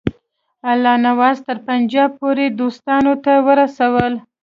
الله نواز تر پنجاب پوري دوستانو ته ورسول.